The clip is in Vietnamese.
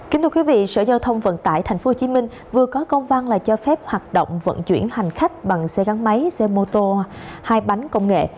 kính thưa quý vị sở giao thông vận tải tp hcm vừa có công văn là cho phép hoạt động vận chuyển hành khách bằng xe gắn máy xe mô tô hai bánh công nghệ